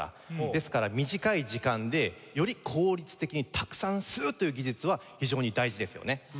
ですから短い時間でより効率的にたくさん吸うという技術は非常に大事ですよね。